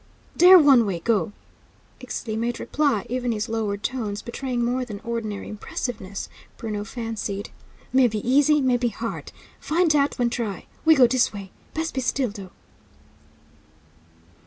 "Dere one way go," Ixtli made reply, even his lowered tones betraying more than ordinary impressiveness, Bruno fancied. "Mebbe easy, mebbe hard. Find dat, when try. We go dis way. Best be still, dough!"